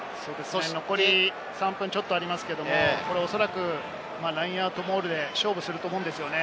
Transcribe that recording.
残り３分ちょっとありますけれども、おそらくラインアウトモールで勝負すると思うんですよね。